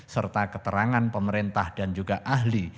serta keterangan pemerintah dan juga ahli